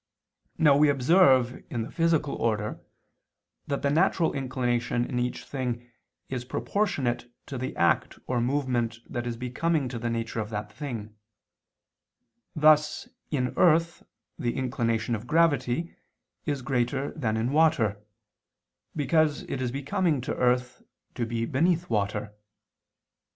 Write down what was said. Now we observe in the physical order that the natural inclination in each thing is proportionate to the act or movement that is becoming to the nature of that thing: thus in earth the inclination of gravity is greater than in water, because it is becoming to earth to be beneath water.